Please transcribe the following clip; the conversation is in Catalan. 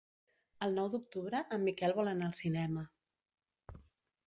El nou d'octubre en Miquel vol anar al cinema.